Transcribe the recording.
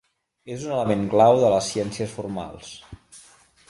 És un element clau de les ciències formals.